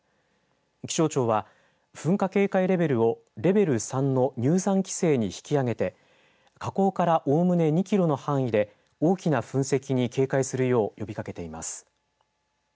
気象庁は噴火警戒レベルをレベル３の入山規制に引き上げて火口からおおむね２キロの範囲で大きな噴石に警戒するよう呼びかけています。